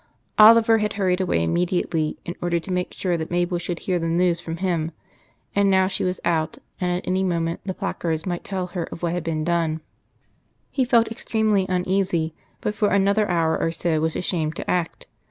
Oliver had hurried away immediately in order to make sure that Mabel should hear the news from him, and now she was out, and at any moment the placards might tell her of what had been done. He felt extremely uneasy, but for another hour or so was ashamed to act.